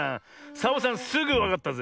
サボさんすぐわかったぜ。